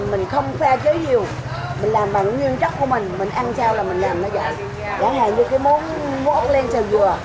mình làm là mình không pha chế nhiều